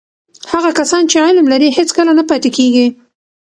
هغه کسان چې علم لري، هیڅکله نه پاتې کېږي.